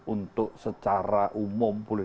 untuk secara umum boleh